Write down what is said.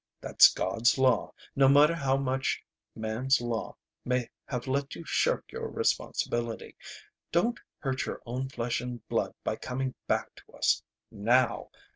That's God's law, no matter how much man's law may have let you shirk your responsibility. Don't hurt your own flesh and blood by coming back to us now.